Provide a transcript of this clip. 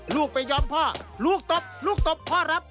ลูกไปยอมพ่อลูกตบลูกตบพ่อรับ